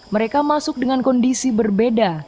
mereka masuk dengan kondisi berbeda